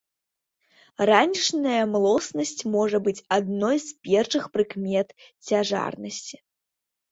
Ранішняя млоснасць можа быць адной з першых прыкмет цяжарнасці.